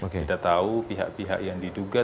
dan kita tahu pihak pihak yang diduga